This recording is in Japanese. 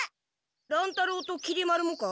乱太郎ときり丸もか？